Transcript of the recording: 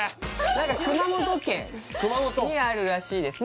何か熊本県にあるらしいです